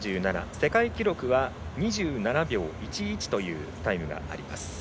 世界記録は２７秒１１というタイムがあります。